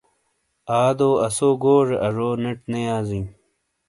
آدو اسو گوزے آزو نیٹ نے یازیں۔